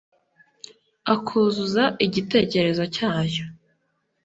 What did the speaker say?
akuzuza igitekerezo cyayo